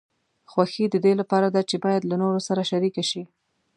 خوښي د دې لپاره ده چې باید له نورو سره شریکه شي.